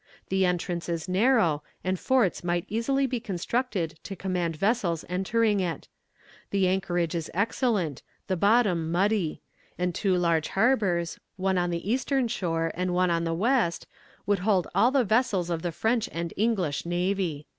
The entrance is narrow, and forts might easily be constructed to command vessels entering it. The anchorage is excellent, the bottom muddy; and two large harbours, one on the eastern shore and one on the west, would hold all the vessels of the French and English navy."